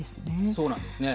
そうなんですね。